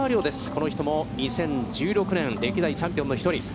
この人も２０１６年、歴代チャンピオンの１人。